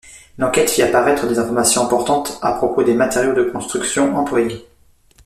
L'enquête fit apparaître des informations importantes à propos des matériaux de construction employés.